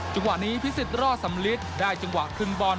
จังหวะนี้พิสิทธิรอดสำลิดได้จังหวะขึ้นบอล